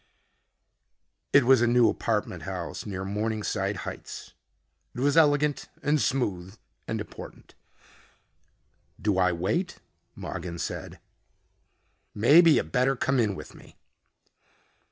It was a new apartment house near Morningside Heights. It was elegant and smooth and important. "Do I wait?" Mogin said. "Maybe you better come in with me."